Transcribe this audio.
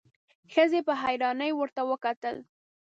ښځې په حيرانۍ ورته کتل: